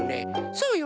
そうよ。